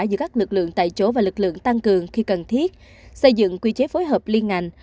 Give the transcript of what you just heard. giữa các lực lượng tại chỗ và lực lượng tăng cường khi cần thiết xây dựng quy chế phối hợp liên ngành